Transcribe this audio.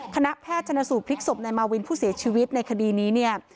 คณะแพทย์ชนสูตรพลิกศพนายมาวินผู้เสียชีวิตในคดีนี้เนี่ย